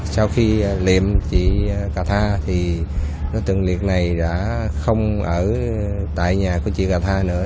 sau khi liệm chị cà tha thì nó từng liệt này đã không ở tại nhà của chị cà tha nữa